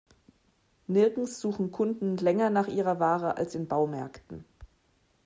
Nirgends suchen Kunden länger nach ihrer Ware als in Baumärkten.